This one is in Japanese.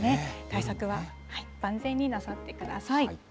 対策は万全になさってください。